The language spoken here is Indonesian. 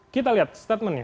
kita lihat statementnya